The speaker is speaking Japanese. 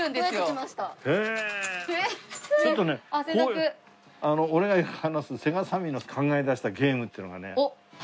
ちょっとね俺がよく話すセガサミーの考え出したゲームっていうのがね。